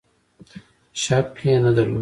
شک نه درلود.